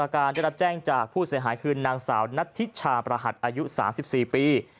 การได้รับแจ้งจากผู้เสียหายคือนางสาวนัทธิชาประหัสอายุ๓๔ปี